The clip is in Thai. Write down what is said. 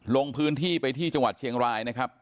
ลงพื้นที่ไปที่จังหวัดเชียงรายนะครับ